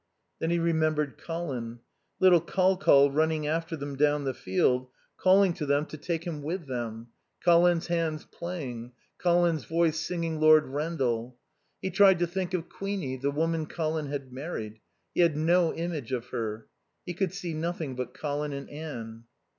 Then he remembered Colin. Little Col Col running after them down the field, calling to them to take him with them; Colin's hands playing; Colin's voice singing Lord Rendal. He tried to think of Queenie, the woman Colin had married. He had no image of her. He could see nothing but Colin and Anne.